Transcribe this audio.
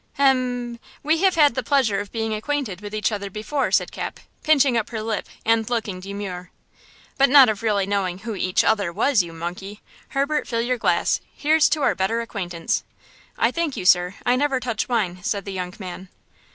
"Hem m m! We have had the pleasure of being acquainted with each other before," said Cap, pinching up her lip and looking demure. "But not of really knowing who 'each other' was, you monkey. Herbert, fill your glass. Here's to our better acquaintance." "I thank you, sir. I never touch wine," said the young man.